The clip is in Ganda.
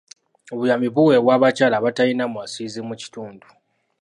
Obuyambi buweebwa abakyala abatalina mwasirizi mu kitundu.